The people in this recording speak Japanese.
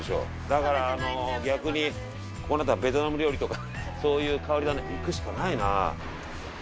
だからあの逆にこうなったらベトナム料理とかそういう変わり種いくしかないな。